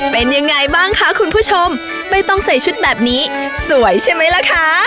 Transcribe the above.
เป็นยังไงบ้างคะคุณผู้ชมไม่ต้องใส่ชุดแบบนี้สวยใช่ไหมล่ะคะ